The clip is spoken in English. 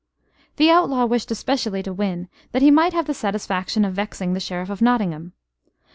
The outlaw wished especially to win that he might have the satisfaction of vexing the Sheriff of Nottingham.